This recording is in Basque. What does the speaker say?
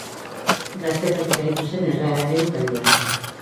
Gaztetatik aritu zen Errealaren taldean.